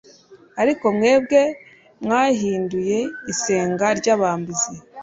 Ariko mwebwe mwayihinduye isenga y'abambuzi."